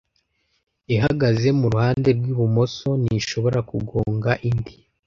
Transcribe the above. ihagaze mu ruhande rw ibumoso nishobora kugonga indi